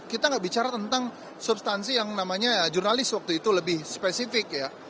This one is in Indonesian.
kita nggak bicara tentang substansi yang namanya jurnalis waktu itu lebih spesifik ya